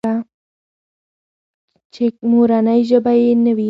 چې مورنۍ ژبه يې نه وي.